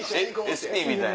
ＳＰみたいな。